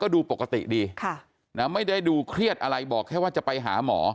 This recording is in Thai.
ดูปกติดีไม่ได้ดูเครียดอะไรบอกแค่ว่าจะไปหาหมอ